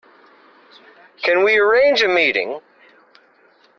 Can we arrange a meeting?